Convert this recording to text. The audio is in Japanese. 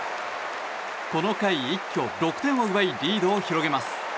この回一挙６点を奪いリードを広げます。